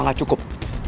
apa gak cukup